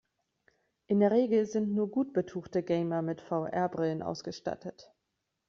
In der Regel sind nur gut betuchte Gamer mit VR-Brillen ausgestattet.